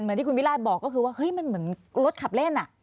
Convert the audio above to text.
ที่คุณวิราชบอกก็คือว่าเฮ้ยมันเหมือนรถขับเล่นอ่ะ